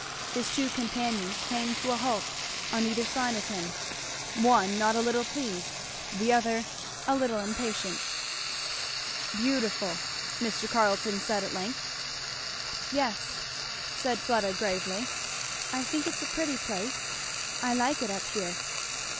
His two companions came to a halt on either side of him, one not a little pleased, the other a little impatient. "Beautiful!" Mr. Carleton said at length. "Yes," said Fleda gravely, "I think it's a pretty place. I like it up here."